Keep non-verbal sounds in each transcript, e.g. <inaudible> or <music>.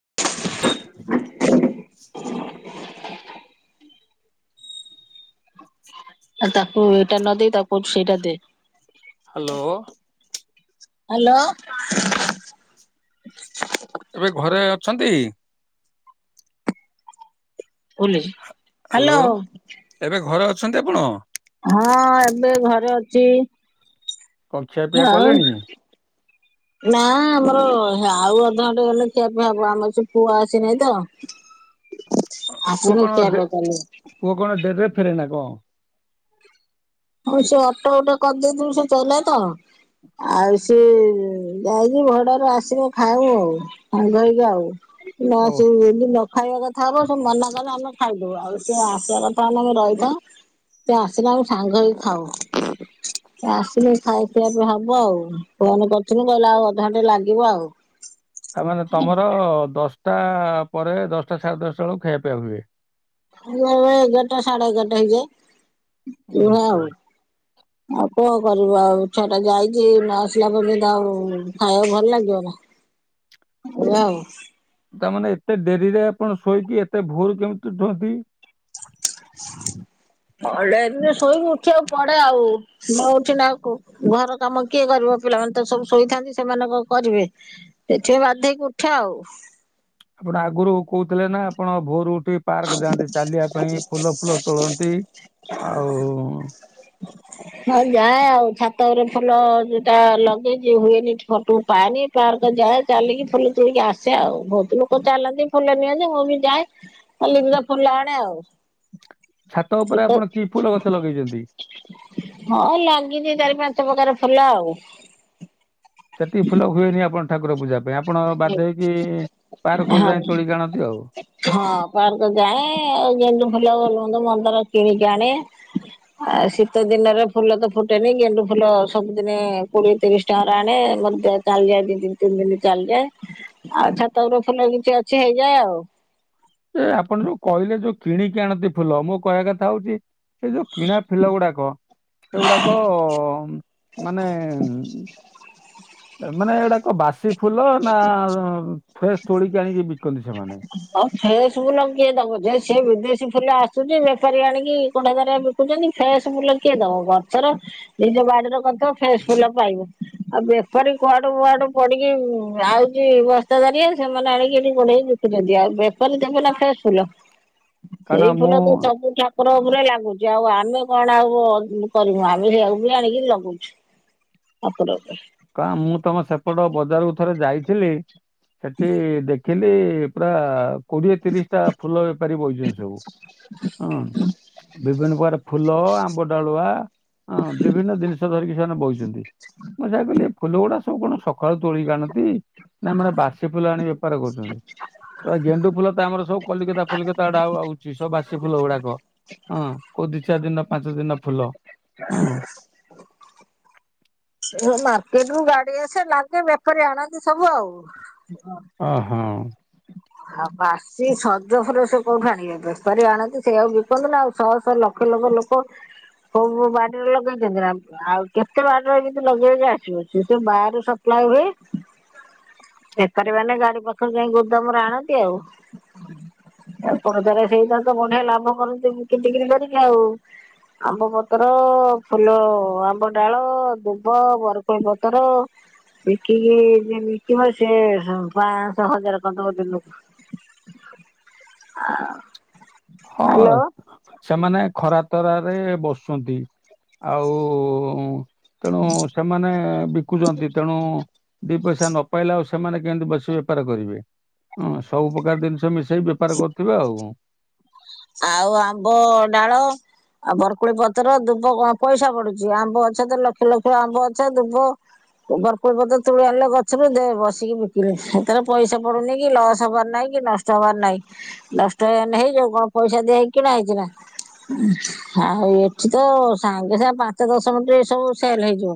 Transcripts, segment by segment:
<unintelligible> <inaudible> ଆ ତାକୁ ଏଇଟା ନଦେଇ ତାପ ସେଇଟା ଦେ। ହ୍ୟାଲୋ। ହ୍ୟାଲୋ। ଏବେ ଘରେ ଅଛନ୍ତି। ବଲଛି ହ୍ୟାଲୋ ଏବେ ଘରେ। ଅଛନ୍ତି ଆପଣ। ହଁ ଏବେ ଘରେ ଅଛି। କଅ ଖିଆ ପିଆ ଆଉ କଲେଣି କି? ନା ଆମର ଆଉ ଅଧଘଣ୍ଟା ଗଲେ ଖିଆପିଆ ହବ ଆମର ସେ ପୁଅ ଆସି ନାହିଁ ତ। ପୁଅ ଆସିଲେ କଣ ଖିଆପିଆ ଚାଲିବ ପୁଅ କଣ ଡେରିରେ ଫେରେ ନା ହ। ହଁ ସେ ଅଟୋ ଉଟୋ କରିଦେଇଥିଲୁ ସେ ଚଲେ ତ ଆଉ ସି ଯାଇକି ଭଡାରୁ ଆସିବ ଖାଉ ଆଉ ସାଙ୍ଗ ହେଇକି ଆଉ। ନା ଓ ସେ ଏତି ନ ଖାଇବା କଥା ହବ ସେ ମନା କଲେ ଆମେ ଖାଇଦବୁ ଆଉ ସେ ଆସିବା କଥାହନେ ଆମେ ରହିଥା, ଉ ସେ ଆସିଲା ଆମେ ସାଙ୍ଗ ହେଇ ଖାଉ ଆସିଲୁ ଖାଇସିବା ବି ହବ ଆଉ ଫୋନ କରିଥିଲୁ କହିଲେ ଆଉ ଅଧଘଣ୍ଟା ଲାଗିବ ଆଉ। ତାମାନେ ତମର ଦଶ ସଟା ପରେ ଦଶଟା ସାଢ଼େ ଦଶଟା ବେଳକୁ ଖାଇବା ପିବା ହୁଏ। ଏବେ ଏଗାରଟା ସାଢେ ଏଗାରଟା ହେଇଯାଏ। ଓ ଏଇଭଳିଆ ହୋ। ଆଉ। ଆଉ କଣ କରିବ ଆଉ ଛୁଆ ଟା ଯାଇଛି ନ ଆସିଲା ପର୍ଯ୍ୟନ୍ତ ଆଉ ଖାଇବାକୁ ଭଲ ଲାଗିବ ନା ଏ ଆଉ। ତାମାନେ ଏତେ ଡେରିରେ ଆପଣ ଶୋଇକି ଏତେ ଭୋର କେମିତି ଉଠନ୍ତି? ପ ଶୋଇକି ଉଠି ଆ ପଡେ ଆଉ ମୁ ଉଠି ନାଉ ଘର କାମ କିଏ କରିବ ପିଲାମାନେ ତ ସବୁ ଶୋଇଥାନ୍ତି ସେମାନଙ୍କ କରିବେ ସେଥିପ ବାଧ ହେଇକି ଉଠିବା ଆଉ। ଆପଣ ଆଗରୁ କହୁଥିଲେ ନା ଆପଣ ଭୋରୁ ପାର୍କ ଯାଆନ୍ତି ଚାଲିବା ପାଇଁ ଫୁଲ ଫୁଲ ତୋଳନ୍ତି ଆଉ ହଁ ଯାଏ ଆଉ ଛାତରେ ଫୁଲ ଯୋଟା ଲଗେଇଛି ହୁଏନି ଫଟ ପାଏନି ପାର୍କ ଯାଏ ଚାଲିକି ଫୁଲ ତୋଳିକି ଆସେ ଆଉ ବହୁତ ଲୋକ ଚାଲନ୍ତି ଫୁଲ ନିଅନ୍ତି ମୁଁ ବି ଯାଏ କାଲି ଫୁଲ ଆଣେ ଆଉ ଛାତ ସେ ଉପରେ ତ ଆପଣ କି ଫୁଲ ଗଛ ଲଗେଇଛନ୍ତି? ହଁ ଲାଗିଛି ଚାରି ପା କେତେ ପ୍ରକାର ଫୁଲ ଆଉ ସେଛତିି ଫୁଲ ହୁଏନି ଆପଣ ଠାକୁର ପୂଜା ପାଇଁ ଆପଣ ବାଧ୍ୟ ହେଇକି ପାର୍କରୁ ଯାଇ ହଁ ତୋଳିକି ଆଣନ୍ତି ଆଉ। ହଁ ପାର୍କ ଯାଏ ଆଉ ଯେମତି ଭଲଲ ହୁ ମ ର କିଣିକି ଆଣେ ଆ ଶୀତ ଦିନରେ ଫୁଲ ତ ଫୁଟେନି ଗେଣ୍ଡୁ ଫୁଲ ସବୁଦିନେ କୋଡିଏ ତିରିଶ ଟଙ୍କାରେ ଆଣେ ମଧ୍ୟ ଚାଲିଯାଏ ଦି ଦତିନି ତିନି ଦିନ ଚାଲିଯାଏ ଆଉ ଛାତ ଉପରେ ଫୁଲ କିଛି ଅଛି ହେଇଯାଏ ଆଉ। ସେ ଆପଣ ଯୋଉ କହିଲେ ଯୋଉ କିଣିକି ଆଣତି ଫୁଲ ମୋ କଇବା କଥା ହଉଛି କିନ୍ତୁ କିଣା ଫୁଲ ଗୁଡାକ ଏଗୁଡାକ ମାନେ ଉ ମାନେ ଏଇୁଡାକ ବାସ ସେ ଫୁଲ ନା ଫ୍ରେଶ ତୋଳିକି ଆଣିକି ବି କୁ ସେମାନେ। ଆଉ ଫ୍ରେଶ ଫୁଲ କିଏ ଦବ ଯେ? ସିଏ ବିଦେଶୀ ଫୁଲ ଆସୁଛି ବେପାରୀ ଆଣିକି କଡା ଦାରିଆ ବିକୁଛନ୍ତି। ଫ୍ରେଶ ଫୁଲ କିଏ ଦବ? ଗଛର ନିଜ ବାଡି ତ ଫ୍ରେଶ ଫୁଲ ପାଇବୁ। ଆଉ ବେପାରୀ କୁଆଡୁ କୁଆଡୁ ପଡିକି ଆଉଛି ବସ୍ତା ଦାରିଆ ସେମାନେ ଆଣିକି ଏଠି ବଢେଇ ଛନ୍ତି ଆଉ ବେପାରି ଦେବେ ନା ଫ୍ରେସ ଫୁଲ। ସେଇ କାରଣ ଫୁଲ ମୁଁ ତ ସବୁଠା ଠାକୁରଙ୍କ ଉପରେ ଲାଗୁଛି ଆଉ ଆମେ କଣ ଆଉ କରିବୁ ଆମେ ବି ଆଣିକି ଲଗୁଛୁ ଠାକୁରଙ୍କୁ। କ ମୁଁ ତମ ସେପଟ ବଜାରକୁ ଥରେ ଯାଇଥିଲି। ସେଠି ଦେଖି ଥିଲି ପୁରା କୋଡିଏ ତିରିଶ ଟା ଫୁଲ ବେପାରୀ ବଇଛନ୍ତି ସବୁ ହୁଁ। ବିଭିନ୍ନ ପ୍ର ଫୁଲ ଆମ୍ବ ଡାଳୁଆ ବିଭିନ୍ନ ଜିନିଷ ଧରିକି ସେମାନେ ବଇଛନ୍ତି ମୁଁ ସେ ସେ ଫୁଲ ଗୁଡା ସବୁ କଣ ସକାଳୁ ତୋଳିିକି ଆଣନ୍ତି? ନାଇ ମାନେ ବାସି ଫୁଲ ଆଣି ବେପାର କରୁଛନ୍ତି। ତ ଗେଣ୍ଡୁ ଫୁଲ ତ ଆମର ସବୁ କଲିକତା ଫଲିକତା ଆଡା ଆଉ ଆଉଛି ସବ ବାସି ଫୁଲ ଗୁଡାକ ହଁ କୋଉ ଦି ଚାରି ଦିନ ପାଞ୍ଚ ଦିନ ଫୁଲ ହୁଁ। ମାର୍କେଟ ରୁ ଗାଡି ଆସେ ଲାଗେ ବେପାରୀ ଆଣନ୍ତି ସବୁ ଆଉ। ଅ ହଁ। ଆଉ ବାସି ସଜ ଫୁଲ ସେ କୋଉଠି ଆଣିବେ? ବେପାରୀ ଆଣନ୍ତି ସେ ଆକୁ ବିକନ୍ତି ନା ଆଉ ଶହ ଶହ ଲକ୍ଷ ଲକ୍ଷ ଲୋକ କୋଉ ବାଡିରେ ଲଗେଇଛନ୍ତି ନା ଆଉ କେତେ ବାଡ଼ିରେ ଏମତି ଲଗେଇବେ ଆସିବ ସେ ତ ବାହରୁ ସପ୍ଲାାଇ ହୁଏ ବେପାରୀ ମାନେ ଗାଡି ପାଖରେ ଯାଇ ଗୋଦାମରେ ଆଣନ୍ତି। ଆଉପଦାର ସେଇଟା ତ ବଢିଆ ଲାଭ କରନ୍ତି ବିକିରି ଟିକରି କରିକି ଆଉ। ଆମ୍ବ ପତର, ଫୁଲ, ଆମ୍ବ ଡାଳ, ଦୁବ, ବରକୋଳି ପତର ବିକିକି ଯିଏ ବିକିବ ସିଏ ପାଆଶହ ହଜାର କରିଦବ ଦିନକୁ। ଆ। ହଁ ସେମାନେ ଖରା ତରାରେ ବସୁଛନ୍ତି ଆଉ ତେଣୁ ସେମାନେ ବିକୁଚନ୍ତି ତେଣୁ ଦି ପଇସା ନ ପାଇଲେ ଆଉ ସେମାନେ କେମିତି ବସି ବେପାର କରିବେ। ହଁ ସବୁ ପ୍ରକାର ଜିନିଷ ମି ସେଇ ବେପାର କରୁଥିବେ ଆଉ। ଆଉ ଆମ୍ବଡ଼ାଳ ଆଉ ବରକୋଳି ପତ୍ର ଦୁବ କଣ ପଇସା ପଡୁଚି ଆମ୍ବ ଗଛ ତ ଲକ୍ଷ ଲକ୍ଷ ଆମ୍ବ ଗଛ ଦୁବ ବରକୋଳି ପତ୍ର ତୋଳି ଆଣିଲ ଗଛରୁ ଦେ ବସିକି ବିକିଲେ ହେତେରେ ପଇସା ପଡୁନି କି ଲସ ହେବାର ନାଇ କି ନଷ୍ଟ ହେବାର ନାଇ ନଷ୍ଟ ହେଇଗନେ ହେଇଯାଉ କଣ ପଇସା ଦିଆ ହେଇକି କିଣା ହେଇଚିନା ଆଉ ଏଠି ତ ସାଙ୍ଗେ ସାଙ୍ଗେ ପାଞ୍ଚ ଦଶ ମିନିଟ ସବୁ ସେଲ ହେଇଯିବ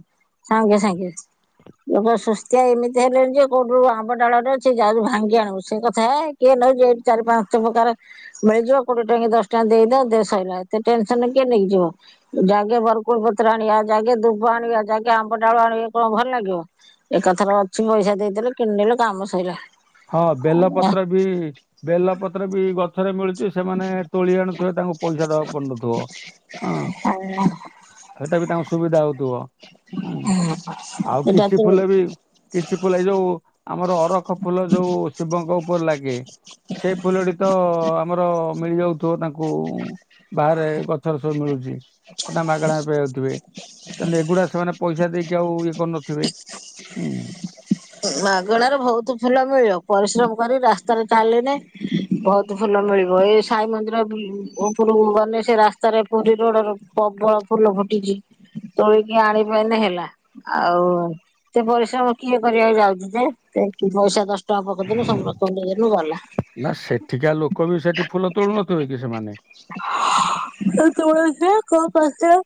ସାଙ୍ଗେ ସାଙ୍ଗେ ଲୋକ ସୁସତିଆ ଏମିତି ହେଲେଣି ଯେ କୋଉଠୁ ଆମ୍ବ ଡାଳେ ଅଛି ଯାଉଚୁ ଭାଙ୍ଗି ଆଣିବୁ ସେ କଥା ଏ କିଏ ନଉଚି ଏଇଠୁ ଚାରି ପାଞ୍ଚ ପ୍ରକାର ମିଳିଯିବ। କୋଡିଏ ଟଙ୍କା ଦଶ ଟଙ୍କେ ଦେଇଦଅ ଦେ ସରିଲା ଏତେ ଟେନସନ କିଏ ନେଇକିଯିବ ଯାକେ ବରକୁଳ ପତ୍ର ଆଣିବା ଯାଗେ ଦୁବ ଆଣିବା ଯାଗେ ଆମ୍ବ ଡାଳ ଆଣିବା କଣ ଭଲ ଲାଗିବ ଏକାଥରେ ଅଛି ପଇସା ଦେଇଦେଲେ କିଣିଦେଲେ କାମ ସଇଲା। ହଁ ବେଲପତ୍ର ବି ବେଲପତ୍ର ବି ଗଛରେ ମିଳୁଚି ସେ। ମାନେ ତୋଳି ଆଣୁଥିବେ ତାଙ୍କୁ ପଇସା ଦବାକୁ ପଡୁ ନଥିବ ହଁ ହେଟା ବି ତାଙ୍କୁ ସୁବିଧା ହଉଥୁବ। ହୁଁ ଆଉ ଏଇଟା କିଛି ତୁ ଫୁଲ ବି କିଛି ଫୁଲ ଏ ଯୋଉ ଆମର ଅରଖ ଯୋଉ ଶିବଙ୍କ ଉପରେ ଲାଗେ ସେଇ ଫୁଲଟି ତ ଆମର ମିଳି ଯାଉଥିବ ତାଙ୍କୁ ବାହାରେ ଗଛର ସବୁ ମିଳୁଚି। ହେଟା ମାଗଣାରେ ପାଇଯାଉଥିବେ। ତାନେ ଏଗୁଡା ସେମାନେ ପଇସା ଦେଇକି ଆଉ ଇଏ କରୁନଥିବେ ହୁଁ। ମାଗଣାରେ ବହୁତ ଫୁଲ ମିଳିବ ପରିଶ୍ରମ କରି ରାସ୍ତାରେ ଚାଲେନେ ବହୁତ ଫୁଲ ମିଳିବ ଏଇ ସାଇ ମନ୍ଦିର ଉପରକୁ ଗନେ ସେ ରାସ୍ତାରେ ପୁରୀ ରୋଡର ପ୍ରବଳ ଫୁଲ ଫୁଟିଛି ତୋଳିକି ଆଣିପାଇଁନେ ହେଲା ଆଉ ଏତେ ପରିଶ୍ରମ କିଏ କିଏ ଯାଉଚି ଯେ। ପଇସା ଦଶ ଟଙ୍କା ପକେଇଦେଲୁ ହୁଁ। ସବୁରତ ନେଇ ଗଲୁ ଗଲା। ନା ସେଠିକା ଲୋକ ବି ସେଠି ଫୁଲ ତୋଳୁନଥିବେ କି ସେମାନେ? କଣ କରୁଛ?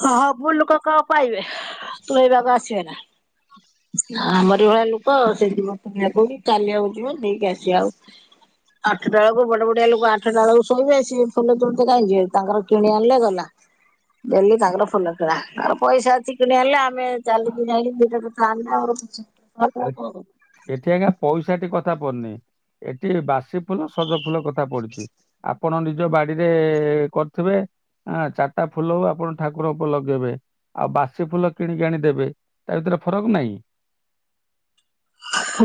ହଁ ସବୁ ଲୋକ କଣ ପାଇବେ ତୋଳି ବାକୁ ଆସିବେ ନା। ଆମରି ଭଳିଆ ଲୋ କ <unintelligible> କାଲି ଆକୁ ଯିବ ନେଇକି ଆସିବା ଆଉ ଆଠଟା ବେଳକୁ ବଡ ବଡିଆ ଲୋକ ଆଠଟା ବେଳକୁ ଶୋଇବେ ସିଏ ଫୁଲ ତୋଲିତେ କାଇଁ ଯିବେ ତାଙ୍କର କିଣି ଆଣିଲେ ଗଲା। ଡେଲି ତାଙ୍କର ଫୁଲ କିଣା ତାଙ୍କର ପଇସା ଅଛି କିଣି ଆଣିଲେ। ଆମେ ଚାଲିିକି ଯାଇକି ଦିଇଟା <unintelligible> ଏଠି ଆଜ୍ଞା ପଇସାଟି କଥା ପନି ଏଠି ବାସି ଫୁଲ ସଜ ଫୁଲ କଥା ପଡିଚି। ଆପଣ ନିଜ ବାଡ଼ିରେ କରିଥିବେ ଚାରିଟା ଫୁଲ ହୋଉ ଆପଣ ଠାକୁର ଉପରେ ଲଗେଇବେ ଆଉ ବାସି ଫୁଲ କିଣିକି ଆଣି ଦେବେ ତା ଭିତରେ ଫରକ ନାହିଁ।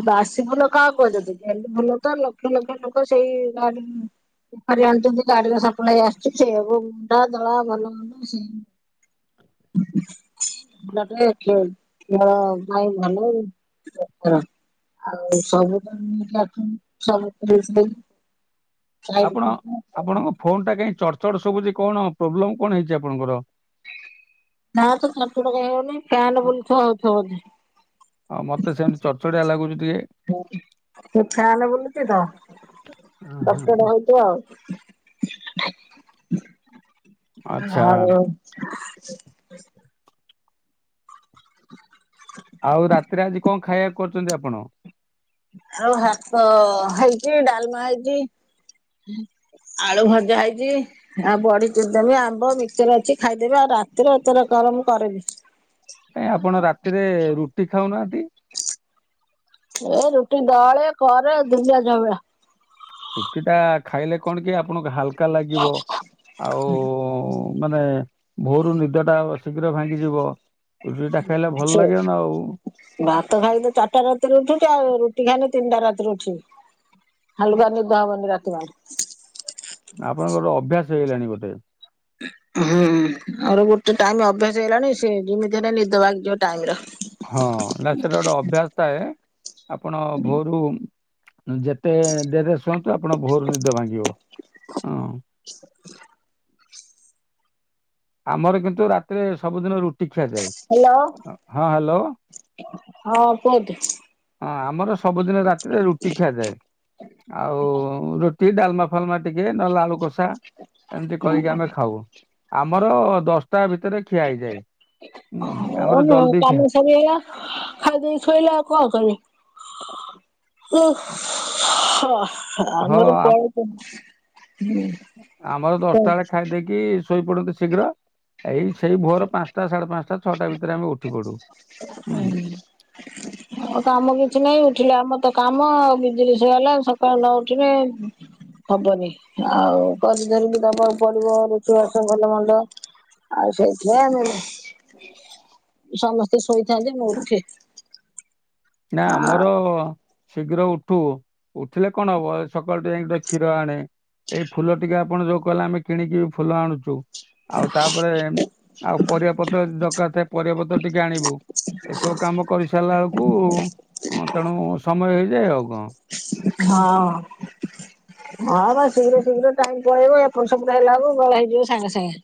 ବାସି ଫୁଲ କାହାକୁ କୁହାଯାଉଛି ଗେଣ୍ଡୁ ଫୁଲ ତ ଲକ୍ଷ ଲକ୍ଷ ଲୋକ ସେଇ ଗାଡି ବେପାରୀ ଆଣୁଚନ୍ତି ଗାଡିରେ ସପ୍ଲାଇ ଆସୁଚି ସେୟାକୁ ମଣ୍ଡା ଦଳା ଭଲ ମନ୍ଦ। ଖେଳ ପାଇଁ ଭଲ ଆଉ ସବୁୁ <unintelligible> ଆପଣ ଆପଣଙ୍କ ଫୋନ ଟା କାଇଁ ଚଡ୍ ଚଡ୍ ସୁବୁଚି କଣ ପ୍ରୋବ୍ଲେମ କଣ ହେଇଚି ଆପଣଙ୍କର? ନା ତ ଚଡ୍ ଚଡ୍ କାଇଁ ହଉନି ଫ୍ୟାନ ବୁଲୁଥବ ହଉଥବ ବୋଧେ। ହଁ ମତେ ସେମିତି ଚଚଡିଆ ଲାଗୁଛି ଟିକେ। ଫ୍ୟାନ୍ ବୁଲୁଛି ତ ହଁ ଚଡ୍ ହଁ। ଚଡ୍ ହୋଇଛି ଆଉ ଆଚ୍ଛା ହଉ ଆଉ ରାତିରେ ଆଜି କଅଁ ଖାଇବାକୁ? କରୁଚନ୍ତି ଆପଣ। ଆଉ ଭାତ ହେଇଚି ଡାଲମା ହେଇଚି ଆଳୁଭଜା ହେଇଚି ଆଉ ବଡି ଚୁରିଦେମି ଆମ୍ବ ମିକ୍ସଚର ଅଛି ଖାଇଦେବେ ଆଉ ରାତିରେ ଏତେରକମର ମୁଁ କରେନି। କାଇଁ ଆପଣ ରାତିରେ ରୁଟି ଖାଉନାହାନ୍ତି। ଟି ଦଳେ କରେ ଦୁନିଆ ଜବିଳା। ଉଟି ଟା ଖାଇଲେ କଣ କି ଆପଣଙ୍କ ହାଲକ୍ କା ଲାଗିବ ଆଉ ମାନେ ଭୋରୁ ନିଦଟା ଶୀଘ୍ର ଭାଙ୍ଗିଯିବ ରୁଟିଟା ଖାଇଲେ ଭଲ ଲାଗିବ ନା ଆଉ <unintelligible> ଭାତ ଖାଇଲେ ଚାରଟା ରାତିରେ ଉଠୁଚୁ ଆଉ ରୁଟି ଖାଇଲେ ତିନଟା ରାତିରେ ଉଠି ହାଲୁକା ନିଦ ହବନି ରାତି ଜାଙ୍କ। ଆପଣଙ୍କର ଅଭ୍ୟାସ ହେଇଗଲାଣି ଗୋଟେ। ଉ ହୁଁ ମୋର ଗୋଟେ ଟାଇମ ଅଭ୍ୟାସ ହେଇଲାଣି ସେ ଯେମିତି ହେଲେ ନିଦ ଭାଙ୍ଗିଯିବ ଟାଇମରେ। ହଁ ନା ସେଟା ଗୋଟେ ଅଭ୍ୟାସ ଥାଏ ଆପଣ ଭୋରୁମ୍ ଯେତେ ଡେରିରେ ଶୁଅନ୍ତୁ ଆପଣ ଭୋରୁ ନିଦ ଭାଙ୍ଗିବ ଅଁ। ଆମର କିନ୍ତୁ ରାତିରେ ସବୁଦିନ ରୁ ଟି ଖିଆଯାଏ, ହ୍ୟାଲୋ ଅଁ ହଁ ହ୍ୟାଲୋ ହଁ ପୁଅଟି ଅଁ ଆମର ସବୁଦିନେ ରାତିରେ ରୁଟି ଖିଆଯାଏ ଆଉ ଟି ଡାଲ୍ମା ଫାଲ୍ମା ଟିକେ ନଲେ ଆଳୁ କୋଷା ଏମିତି କରିକି ଆମେ ଖାଉ। ଆମର ଦଶଟା ଭିତରେ ଖିଆ ହେଇଯାଏ। ହୁଁ ହ ଆମର ମ ଜଲଦି ଖିଆ କାମ ସରିଗଲା ଖାଇଦେଇ ସୋଇଲା ଆଉ କଅଁ କରିବା। <unintelligible> <inaudible> ହଁ ଆମର ଆମ- କଣ କରୁଛୁ? ଆମର ଦଶଟା ବେଳେ ଖାଇଦେଇକି ଟି ଶୋଇପଡନ୍ତି ଶୀଘ୍ର। ଏଇ ସେଇ ଭୋର ପାଞ୍ଚଟା ସାଢେ ପାଞ୍ଚଟା। ଛଅଟା ଭିତରେ ଆମେ ଉଠି ପଡୁ। ହୁଁ। <unintelligible> କାମ କିଛି ନାଇଁ ଉଠିଲେ ଆମ ତ କାମ ମ <unintelligible> ସକାଳୁ ନଉଠିନେ ହବନି ଆଉ କରି ଧରିକି ଦବ। ପଡିବ ରୋଷେଇ ବାସ ଭଲ ମନ୍ଦ। ଆଉ ସେଇ ଯା ନେଇଯା <inaudible> ସମସ୍ତ ସେ ଶୋଇ <unintelligible> ନା ଆମର ଶୀଘ୍ର ଉଠୁ ଉଠିଲେ କଣ ହବ ସକାଳୁୁ ଯାଇକି ନି ତ କ୍ଷୀର ଆଣେ। ଏଇ ଫୁଲ ଟିକେ ଆପ୍ ଆପଣ ଯୋଉ କହିଲେ ଆମେ କିଣିକି ଫୁଲ ଆଣୁଛୁ। ଆଉ ତାପରେ ଆଉ ପରିବା ପତ୍ର ଯଦି ଦରକାର ଥାଏ ପରିବା ପତ୍ର ଟିକେ ଆଣିବୁ ଏସବୁ କାମ କରିସାରିଲା ବେଳକୁ ଉଁ ଉଁ ତେଣୁ ସବୁ ସମୟ ହେଇଯାଏ ଆଉ କଣ। ହଁ ହଁ ବା ଶିଘ୍ର ଶୀଘ୍ର ଟାଇମ୍ ପଳେଇବ ଏପଟ୍ ସେପଟ ହେଲା ବେଳକୁ ବେଳ ହେଇଯିବ ସାଙ୍ଗେ ସାଙ୍ଗେ।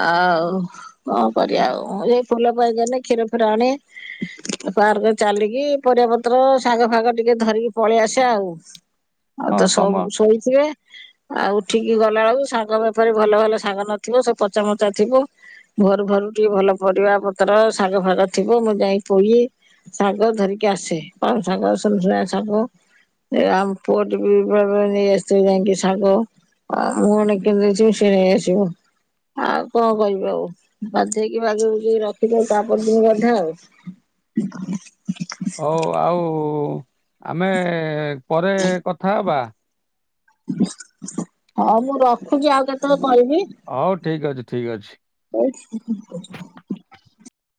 ଆଉ କଣ କରିବା ଆଉ ଏ ଫୁଲ ପାଇ ଗଲେ କ୍ଷୀର ଫୀର ଆଣି ପାର୍କ ରେ ଚାଲିକି ପରିବା ପତ୍ର ଶାଗ ଫାାଗ ଟିକେ ଧରିକି ପଳେଇ ଆସେ ଆଉ। ଆଉ ତ ହଁ ସବୁ ତମ ଶୋଇଥିବେ ଆଉ ଉଠିକି ଗଲା ବେଳକୁ ଶାଗ ବେ ତାପରେ ଭଲ ଭଲ ଶାଗ ନଥିବ ସେ ପଚାମଚା ଥିବ ଘରୁ ଭରୁ ଟିକେ ଭଲ ପରିବା ପତ୍ର ଶାଗ ଫାଗ ଥିବ ମୁଁ ଯାଇ ପୋଇ, ଶାଗ ଧରିକି ଆସେ। ପୋଇଶାଗ, ସୁନୁସୁନିଆ ଶାଗ ଆମ ପୁଅଟିବି ବେଳେ ବେଳେ ନେଇ ଆସିଥିବ ଯାଇକି ଶାଗ। ଆ ମୁଁ ଏଣେ କିଣି ଦେଇଥିବି ସିଏ ନେଇ ଆସିବ। ଆଉ କଣ କହିବି ଆଉ ବାଧ୍ୟ ହେଇକି <unintelligible> ରଖି ଦିଏ। ତାପରକୁ <unintelligible> ଆଉ। ହଉ ଆଉ ଆମେ ପରେ କଥା ହବା। ହଁ ମୁଁ ରଖୁଛି ଆଉ କେତେ ବେଳେ ହଉ ଠିକ୍ ଅଛି। ଠିକ୍ ଅଛି। <inaudible>